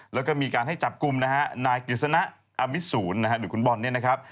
แล้วก็มีการให้จับกลุ่มนะฮะนายกฤษณะอมิสูรนะฮะหรือคุณบอลเนี่ยนะครับ